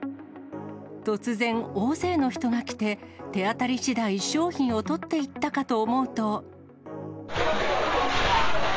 突然、大勢の人が来て、手当たりしだい、商品をとっていったかと思うと。